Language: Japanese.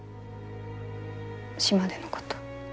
島でのこと。